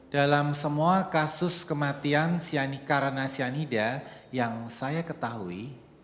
dalam semua kasus kematian cyanicara cyanida yang saya ketahui